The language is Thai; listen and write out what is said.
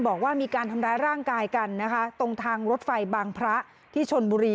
บอกว่ามีการทำร้ายร่างกายกันนะคะตรงทางรถไฟบางพระที่ชนบุรี